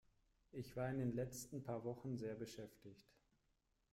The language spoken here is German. Ich war in den letzten paar Wochen sehr beschäftigt.